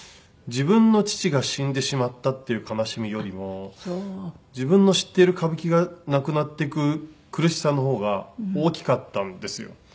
自分の父が死んでしまったっていう悲しみよりも自分の知っている歌舞伎がなくなっていく苦しさの方が大きかったんですよ。